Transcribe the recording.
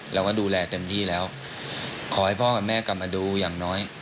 เราก็ดูแลเต็มที่แล้วขอให้พ่อกับแม่กลับมาดูอย่างน้อย